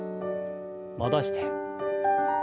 戻して。